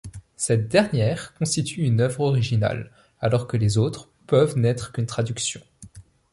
Cette dernière constitue une œuvre originale, alors que les autres peuvent n'être qu'une traduction.